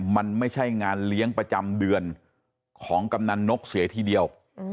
มันไม่ใช่งานเลี้ยงประจำเดือนของกำนันนกเสียทีเดียว